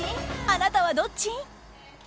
あなたはどっち？